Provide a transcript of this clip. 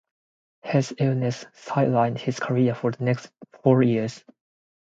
His illness sidelined his career for the next four years.